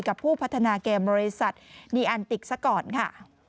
กับผู้พัฒนาเกมบริษัทในอันติกสักก่อนค่ะ